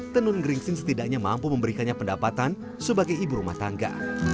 tenun geringsing setidaknya mampu memberikannya pendapatan sebagai ibu rumah tangga